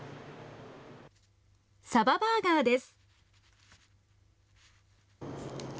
さばバーガーです。